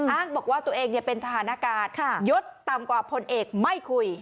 อ้างบอกว่าตัวเองเป็นทหารอากาศยดต่ำกว่าพลเอกไม่คุย